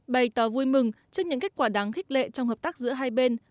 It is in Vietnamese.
bày tỏ vui mừng trước những kết quả đáng khích lệ trong hợp tác giữa hai bên